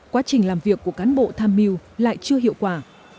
quá trình làm việc của cán bộ tham mưu lại chưa hiệu quả